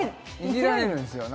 いじられるんですよ